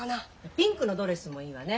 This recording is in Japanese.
ピンクのドレスもいいわね。